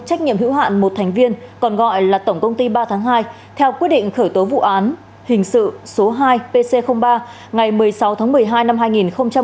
trách nhiệm hữu hạn một thành viên còn gọi là tổng công ty ba tháng hai theo quyết định khởi tố vụ án hình sự số hai pc ba ngày một mươi sáu tháng hai